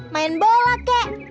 main bola kek